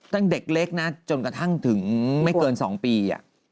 เด็กเล็กนะจนกระทั่งถึงไม่เกิน๒ปี